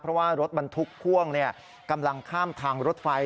เพราะว่ารถบรรทุกพ่วงกำลังข้ามทางรถไฟ